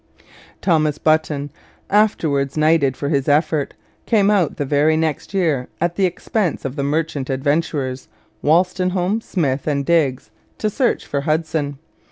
Thomas Button, afterwards knighted for his effort, came out the very next year at the expense of the merchant adventurers Walstenholme, Smith, and Digges to search for Hudson.